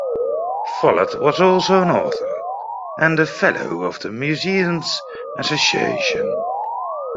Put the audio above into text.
Follett was also an author and a Fellow of the Museums Association.